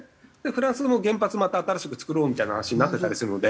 フランスも原発また新しく造ろうみたいな話になってたりするので。